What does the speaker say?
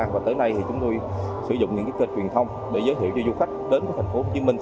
và tới nay thì chúng tôi sử dụng những kênh truyền thông để giới thiệu cho du khách đến thành phố hồ chí minh